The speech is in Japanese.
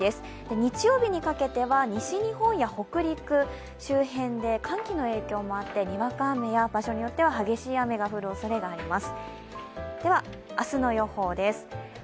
日曜日にかけては西日本や北陸周辺で寒気の影響もあって、にわか雨や場所によっては激しい雨が降る所もあります。